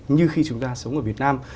như khi chúng ta sống ở việt nam